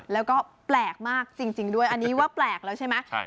แล้วก็แปลกมากจริงด้วยอันนี้ว่าแปลกแล้วใช่ไหม